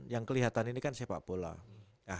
yang kelihatan ini kan sepak bola